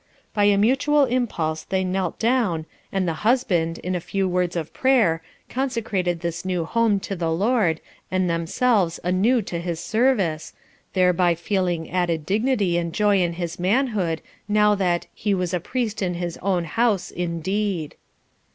By a mutual impulse they knelt down, and the husband, in a few words of prayer, consecrated this new home to the Lord, and themselves anew to his service, thereby feeling added dignity and joy in his manhood, now that "he was a priest in his own house" indeed.